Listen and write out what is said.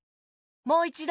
もういちど！